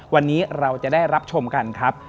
วันนี้เราจะได้รับชมกันครับ